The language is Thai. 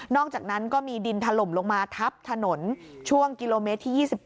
อกจากนั้นก็มีดินถล่มลงมาทับถนนช่วงกิโลเมตรที่๒๗